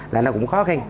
là nó cũng khó khăn